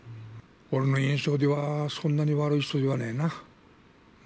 俺の印象では、そんなに悪い人ではないな。